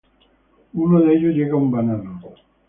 Uno de ellos llega a un banano.